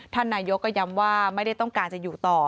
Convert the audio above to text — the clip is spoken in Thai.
ท่านนายกรัฐมนตรีก็ย้ำว่าไม่ได้ต้องการจะอยู่ต่อ